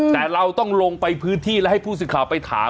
แต่เราต้องลงไปพื้นที่และให้ผู้สื่อข่าวไปถาม